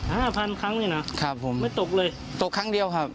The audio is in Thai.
ห้าพันครั้งนี่นะครับผมไม่ตกเลยตกครั้งเดียวครับ